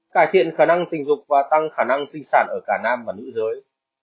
cải thiện khả năng tình dục và tăng khả năng sinh sản ở cả nam và nữ giới